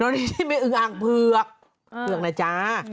แล้วนี่ไม่อึงอ่างเผือกเผือกนะจ๊ะ